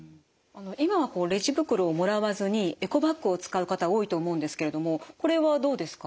今はレジ袋をもらわずにエコバッグを使う方多いと思うんですけれどもこれはどうですか？